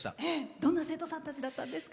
どんな生徒さんたちだったんですか？